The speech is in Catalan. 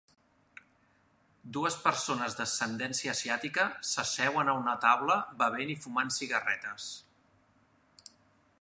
Dues persones d'ascendència asiàtica s'asseuen a una taula bevent i fumant cigarretes.